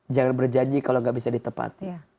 jangan berjanji kalau gak bisa ditepati